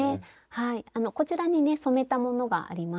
はいこちらにね染めたものがあります。